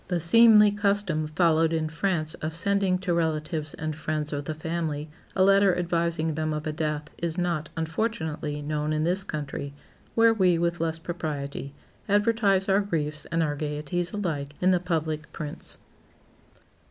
The seemly custom followed in France of sending to relatives and friends of the family a letter advising them of a death is not, unfortunately, known in this country, where we, with less propriety, advertise our griefs and our gaieties alike in the public prints.